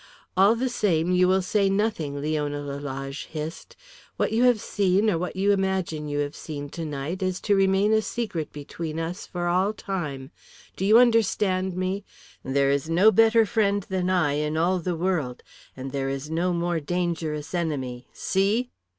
"All the same, you will say nothing," Leona Lalage hissed. "What you have seen or what you imagine you have seen tonight is to remain a secret between us for all time. Do you understand me? There is no better friend than I in all the world, and there is no more dangerous enemy. See?"